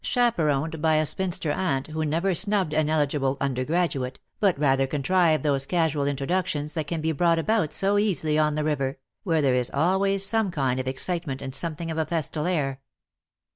65 chaperoned by a spinster aunt who never snubbed an ehgible undergraduate, but rather contrived those casual introductions that can be brought about so easily on the river, where there is always some kind of excitement and something of a festal air.